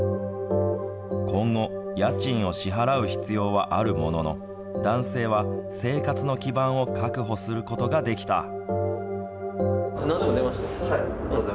今後、家賃を支払う必要はあるものの、男性は生活の基盤を確保することができた。